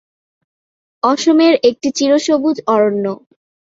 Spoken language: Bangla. অসমের একটি চিরসবুজ অরণ্য।